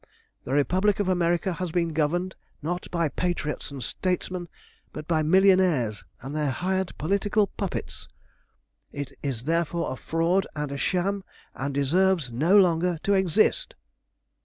The Republic of America has been governed, not by patriots and statesmen, but by millionaires and their hired political puppets. It is therefore a fraud and a sham, and deserves no longer to exist!"